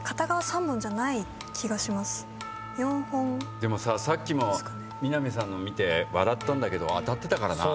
でもささっきも南さんの見て笑ったんだけど当たってたから。